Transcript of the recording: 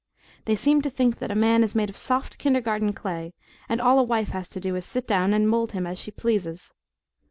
They seem to think that a man is made of soft, kindergarten clay, and all a wife has to do is to sit down and mould him as she pleases.